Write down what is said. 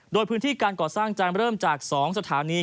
โดยพื้นที่การก่อสร้างจะเริ่มจาก๒สถานี